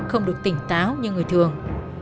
không được tỉnh táo như người thường